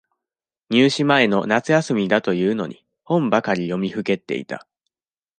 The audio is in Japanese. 入試前の夏休みだというのに、本ばかり読みふけっていた。